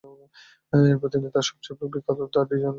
এরপর তিনি তার সবচেয়ে বিখ্যাত গ্রন্থ দ্য ডিভাইন কমেডি রচনা শুরু করেন।